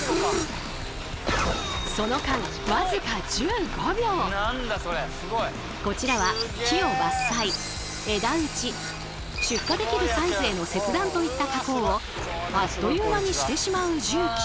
その間こちらは木を伐採枝打ち出荷できるサイズへの切断といった加工をあっという間にしてしまう重機。